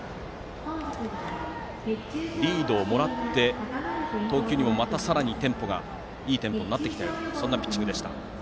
リードをもらって投球もまたさらにいいテンポになってきたようなそんなピッチングでした。